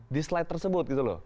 di slide tersebut gitu loh